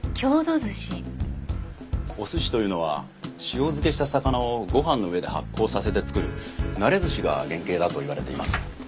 お寿司というのは塩漬けした魚をご飯の上で発酵させて作るなれずしが原型だと言われています。